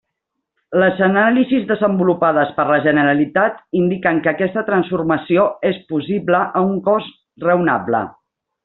Les anàlisis desenvolupades per la Generalitat indiquen que aquesta transformació és possible a un cost raonable.